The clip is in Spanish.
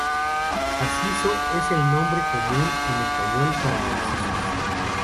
Narciso es el nombre común en español para "Narcissus".